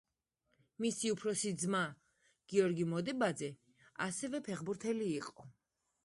მისი უფროსი ძმა, გიორგი მოდებაძე ასევე ფეხბურთელი იყო.